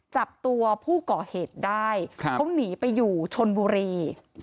จับตัวผู้ก่อเหตุได้เขาหนีไปอยู่ชนบุรี